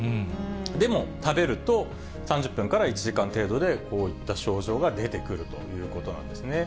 でも、食べると、３０分から１時間程度で、こういった症状が出てくるということなんですね。